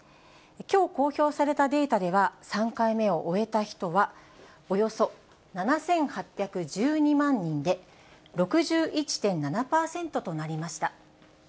きょう公表されたデータでは、３回目を終えた人は、およそ７８１２万人で、６１．７％となりました。